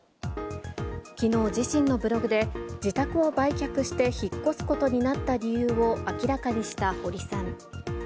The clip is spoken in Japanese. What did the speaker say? きのう、自身のブログで、自宅を売却して引っ越すことになった理由を明らかにした堀さん。